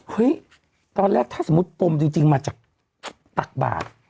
เฮ้ยตอนแรกถ้าสมมติปุ่มจริงมาจากตักบาส